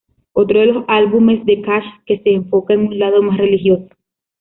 Otro de los álbumes de Cash que se enfoca en un lado más religioso.